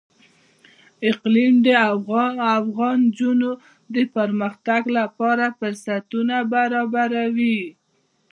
اقلیم د افغان نجونو د پرمختګ لپاره فرصتونه برابروي.